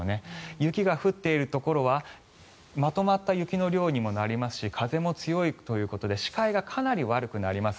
雪が降っているところはまとまった雪の量にもなりますし風も強いということで視界がかなり悪くなります。